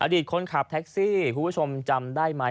อดีตคนขับแท็กซี่คุณผู้ชมจำได้ไหม